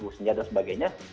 soal lima senjata dan sebagainya